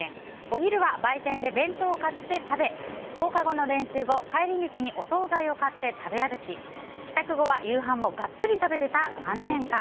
お昼は売店で弁当を買って食べ放課後の練習後帰り道にお総菜を買って食べ歩き帰宅後は夕飯をガッツリ食べてた３年間。